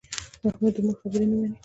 محمود د مور خبرې نه مني.